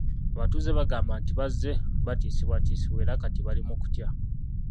Abatuuze bagamba nti bazze batiisibwatiisibwa era kati bali mu kutya.